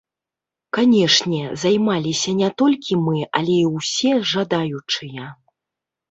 Канешне, займаліся не толькі мы, але і ўсе жадаючыя.